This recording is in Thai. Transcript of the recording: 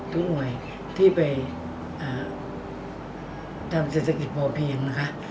ทุกหน่วยที่ไปทำเศรษฐกิจพอเพียงนะคะ